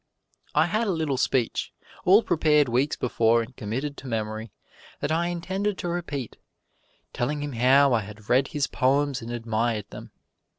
I had a little speech, all prepared weeks before and committed to memory, that I intended to repeat, telling him how I had read his poems and admired them.